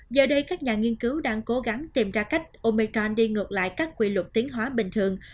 giờ đây các nhà nghiên cứu đang cố gắng tìm ra cách omechon đi ngược lại các quy luật tiến hóa bình thường